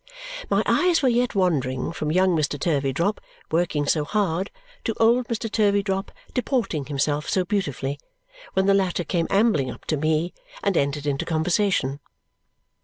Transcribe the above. My eyes were yet wandering, from young Mr. Turveydrop working so hard, to old Mr. Turveydrop deporting himself so beautifully, when the latter came ambling up to me and entered into conversation.